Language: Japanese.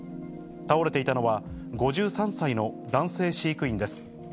倒れていたのは、５３歳の男性飼育員です。